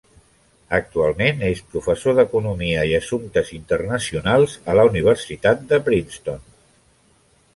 Actualment és professor d'Economia i Assumptes Internacionals a la Universitat de Princeton.